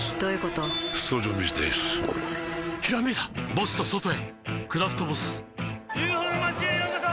ボスと外へ「クラフトボス」ＵＦＯの町へようこそ！